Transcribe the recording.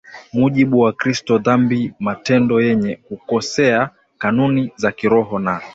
mujibu wa Kristo dhambi matendo yenye kukosea kanuni za kiroho na